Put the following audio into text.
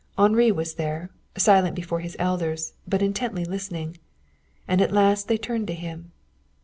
Henri was there, silent before his elders, but intently listening. And at last they turned to him.